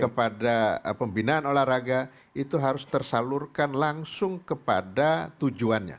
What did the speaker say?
kepada pembinaan olahraga itu harus tersalurkan langsung kepada tujuannya